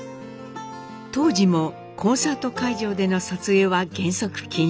当時もコンサート会場での撮影は原則禁止。